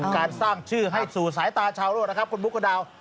การสร้างชื่อให้สู่สายตาชาวโลกนะครับคุณบุ๊คคุณดาว